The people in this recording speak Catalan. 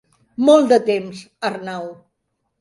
Molt de temps, Arnau.